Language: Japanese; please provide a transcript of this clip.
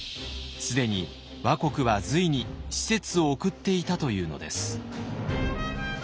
既に倭国は隋に使節を送っていたというのです。